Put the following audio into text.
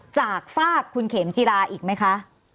จากฝากคุณเข็มจีราอีกไหมคะ